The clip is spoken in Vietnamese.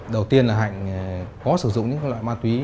đầu tiên là hạnh có sử dụng những loại ma túy